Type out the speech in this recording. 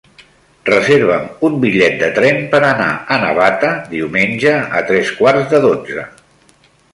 Reserva'm un bitllet de tren per anar a Navata diumenge a tres quarts de dotze.